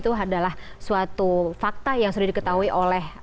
itu adalah suatu fakta yang sudah diketahui oleh